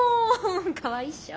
かわいいっしょ。